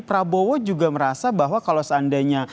prabowo juga merasa bahwa kalau seandainya